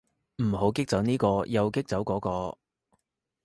唔好激走呢個又激走嗰個